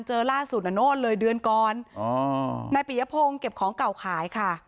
เจอล่าสุดน่ะโน่นเลยเดือนก่อนนายปิยพงศ์เก็บของเก่าขายค่ะ